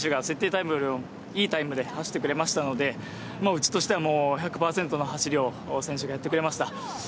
全選手が設定タイムより、いいタイムで走ってくれましたので、うちとしては１００％の走りを選手がやってくれました。